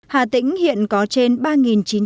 hà tĩnh hiện có trên đoàn tàu cá bị mắc cạn